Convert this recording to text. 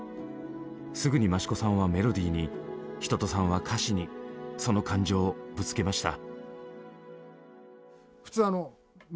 すぐにマシコさんはメロディーに一青さんは歌詞にその感情をぶつけました。